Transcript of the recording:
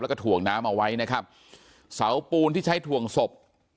แล้วก็ถ่วงน้ำเอาไว้นะครับเสาปูนที่ใช้ถ่วงศพ